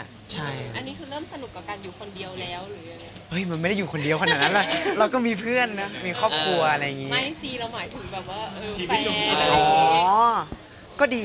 อันนี้คือเริ่มสนุกกับการอยู่คนเดียวแล้วหรือยังไง